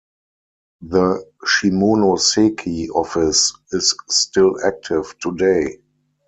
The Shimonoseki office is still active today.